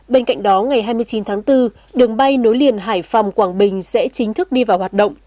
bên cạnh đó ngày hai mươi chín tháng bốn đường bay nối liền hải phòng quảng bình sẽ chính thức đi vào hoạt động